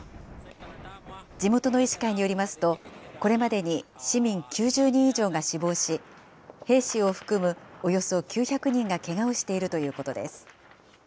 地元の医師会によりますと、これまでに市民９０人以上が死亡し、兵士を含むおよそ９００人がけがをしているということです。